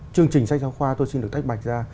chương trình sách giáo khoa tôi xin được tách bạch ra